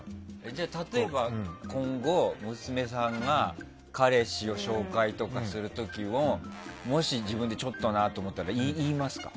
じゃあ、例えば今後、娘さんが彼氏を紹介する時とかももし自分でちょっとなって思ったら言いますか。